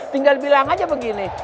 tinggal bilang aja begini